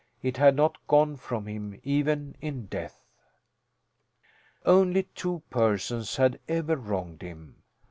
It had not gone from him even in death. Only two persons had ever wronged him.